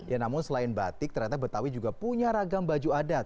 ya namun selain batik ternyata betawi juga punya ragam baju adat